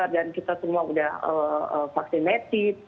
dan kita semua sudah vaksinasi